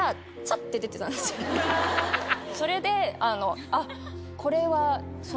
それであっ。